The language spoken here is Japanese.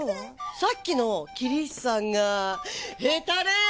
さっきの桐石さんがヘタレ王。